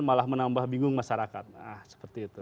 malah menambah bingung masyarakat